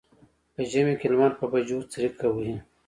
په ژمي کې لمر په بجو څریکه وهي.